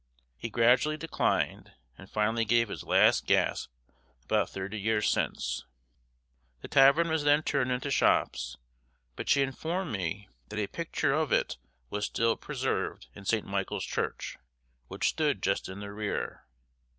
He gradually declined, and finally gave his last gasp about thirty years since. The tavern was then turned into shops; but she informed me that a picture of it was still preserved in St. Michael's Church, which stood just in the rear.